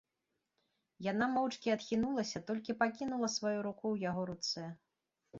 Яна моўчкі адхінулася, толькі пакінула сваю руку ў яго руцэ.